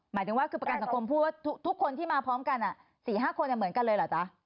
หมายถึงว่าคือประกันสังคมพูดว่าทุกคนที่มาพร้อมกัน๔๕คนเหมือนกันเลยเหรอจ๊ะ